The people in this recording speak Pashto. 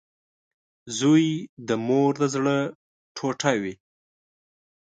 • زوی د مور د زړۀ ټوټه وي.